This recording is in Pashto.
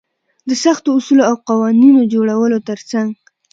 د سختو اصولو او قوانينونو د جوړولو تر څنګ.